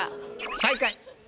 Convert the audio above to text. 最下位。